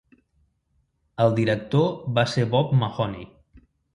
El director va ser Bob Mahoney.